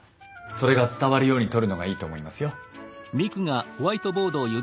それが伝わるように撮るのがいいと思いますよ。